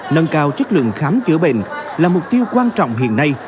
nâng cao chất lượng khám chữa bệnh là mục tiêu quan trọng hiện nay